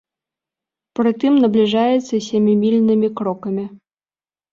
Прытым набліжаецца сямімільнымі крокамі.